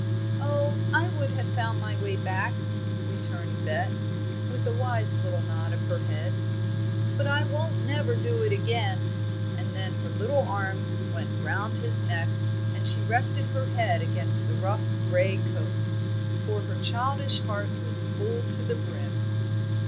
"Oh, I would have found my way back," returned Bet, with a wise little nod of her head. "But I won't never do it again." And then her little arms went round his neck, and she rested her head against the rough grey coat; for her childish heart was full to the brim.